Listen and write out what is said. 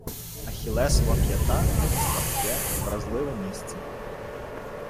Ахіллесова п'ята — слабке, вразливе місце